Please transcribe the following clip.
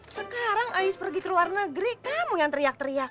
sekarang ais pergi ke luar negeri kamu yang teriak teriak